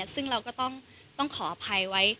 ซึ่งเราก็ต้องขออภัยไว้